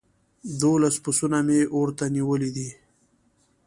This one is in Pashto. دوولس پسونه مو اور ته نيولي دي.